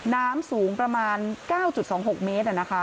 น้ำสูงประมาณ๙๒๖เมตร